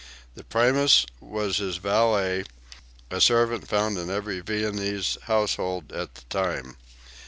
The primus was his valet, a servant found in every Viennese household at the time.